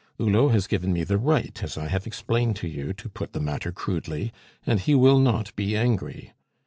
Hulot has given me the right, as I have explained to you, to put the matter crudely, and he will not be angry.